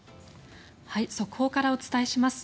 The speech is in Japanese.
速報からお伝えします。